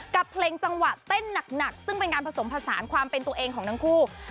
กับเพลงจังหวะเต้นหนักซึ่งเป็นการผสมผสานความเป็นตัวเองของทั้งคู่